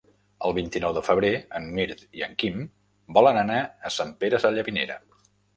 El vint-i-nou de febrer en Mirt i en Quim volen anar a Sant Pere Sallavinera.